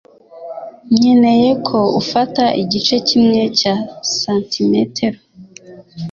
Nkeneye ko ufata igice kimwe cya santimetero.